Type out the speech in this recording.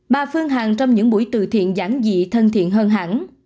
bà phương hằng trong những buổi từ thiện giảng dị thân thiện hơn hẳn